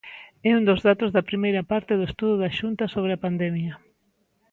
É un dos datos da primeira parte do estudo da Xunta sobre a pandemia.